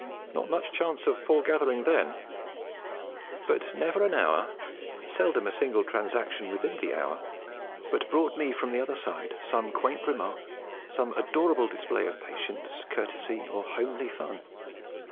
Not much chance of foregathering then; but never an hour, seldom a single transaction within the hour, but brought me from the other side some quaint remark, some adorable display of patience, courtesy, or homely fun.